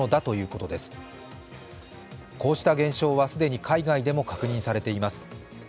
こうした現象は既に海外でも確認されています。